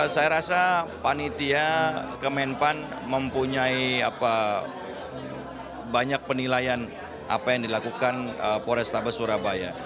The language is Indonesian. saya rasa panitia kemenpan mempunyai banyak penilaian apa yang dilakukan polrestabes surabaya